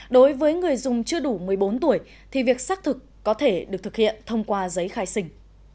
đối với người dùng chưa đủ một mươi bốn tuổi thì việc xác thực có thể được thực hiện thông qua giấy khai sinh